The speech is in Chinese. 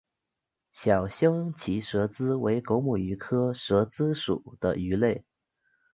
小胸鳍蛇鲻为狗母鱼科蛇鲻属的鱼类。